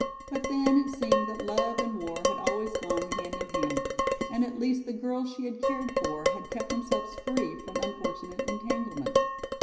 But then it seemed that love and war had always gone hand in hand, and at least the girls she had cared for had kept themselves free from unfortunate entanglements.